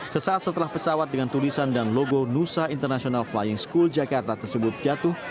sesaat setelah pesawat dengan tulisan dan logo nusa international flying school jakarta tersebut jatuh